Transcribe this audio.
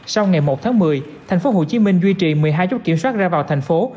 sau ngày một tháng một mươi thành phố hồ chí minh duy trì một mươi hai chốt kiểm soát ra vào thành phố